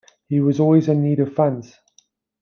He was always in need of funds.